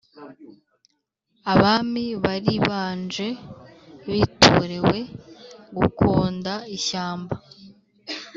abami baribanje batorewe gukonda ishyamba